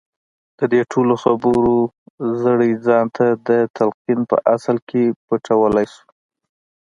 د دې ټولو خبرو زړی ځان ته د تلقين په اصل کې پلټلای شو.